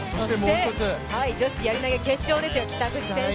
女子やり投決勝ですよ、北口選手。